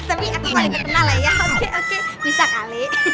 tapi aku paling terkenal lah ya oke oke bisa kali